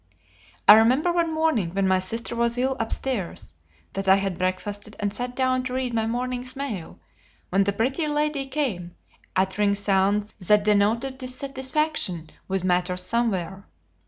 I remember one morning, when my sister was ill upstairs, that I had breakfasted and sat down to read my morning's mail, when the Pretty Lady came, uttering sounds that denoted dissatisfaction with matters somewhere.